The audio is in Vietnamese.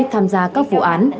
tham gia các vụ án